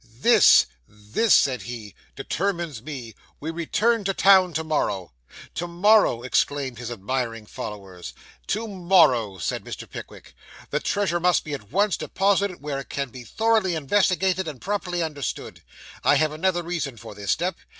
'This this,' said he, 'determines me. We return to town to morrow.' 'To morrow!' exclaimed his admiring followers. 'To morrow,' said Mr. Pickwick. 'This treasure must be at once deposited where it can be thoroughly investigated and properly understood. I have another reason for this step.